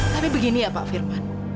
tapi begini ya pak firman